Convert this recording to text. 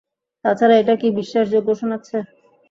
তাছাড়া এটা কি বিশ্বাসযোগ্য শোনাচ্ছে?